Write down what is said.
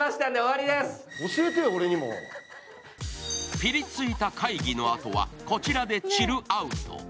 ピリついた会議のあとは、こちらでチルアウト。